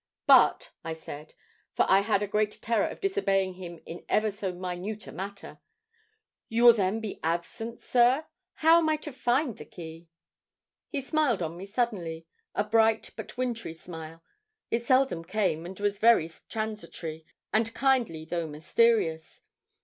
'But,' I said, for I had a great terror of disobeying him in ever so minute a matter, 'you will then be absent, sir how am I to find the key?' He smiled on me suddenly a bright but wintry smile it seldom came, and was very transitory, and kindly though mysterious.